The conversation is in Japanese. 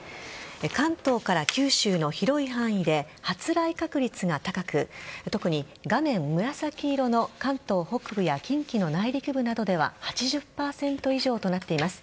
関東から九州の広い範囲で発雷確率が高く特に画面紫色の関東北部や近畿の内陸部などでは８０％以上となっています。